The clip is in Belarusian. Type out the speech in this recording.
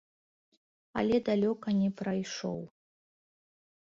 Але далёка не прайшоў.